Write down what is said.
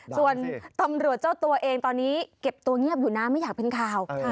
ส่วนตำรวจเจ้าตัวเองตอนนี้เก็บตัวเงียบอยู่นะไม่อยากเป็นข่าว